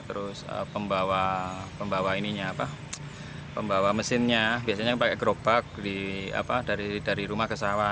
terus pembawa mesinnya biasanya pakai gerobak dari rumah ke sawah